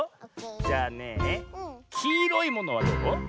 じゃあねえ「きいろいもの」はどう？